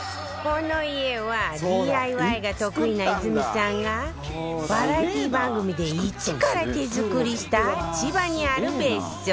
この家は ＤＩＹ が得意な泉さんがバラエティー番組で一から手作りした千葉にある別荘